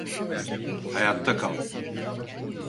Hayatta kal.